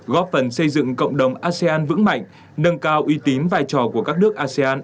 góp phần xây dựng cộng đồng asean vững mạnh nâng cao uy tín vai trò của các nước asean